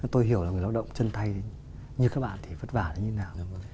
tôi hiểu là người lao động chân tay như các bạn thì vất vả như thế nào